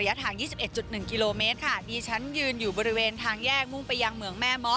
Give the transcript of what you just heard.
รุ่นฮาฟมาราทออนกำหนดระยะทาง๒๑๑กิโลเมตรค่ะนี่ฉันยืนอยู่บริเวณทางแยกมุ้งไปยังเมืองแม่หม้อ